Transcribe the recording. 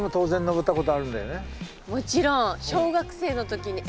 もちろん。